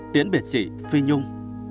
tiễn biệt chị phi nhung